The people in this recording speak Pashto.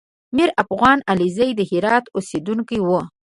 میرافغان علیزی د هرات اوسېدونکی و